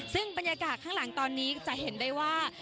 ซึ่งบรรยากาศข้างหลังตอนนี้จะเห็นได้ว่า